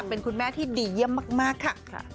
เป็นคุณแม่ที่ดีเยี่ยมมากค่ะ